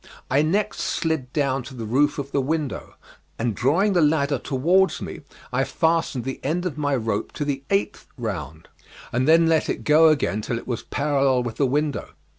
I next slid down to the roof of the window, and drawing the ladder towards me I fastened the end of my rope to the eighth round, and then let it go again till it was parallel with the window.